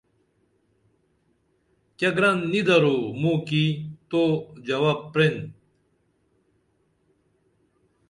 کیہ گرن نی درو موں کی تو جواب پرین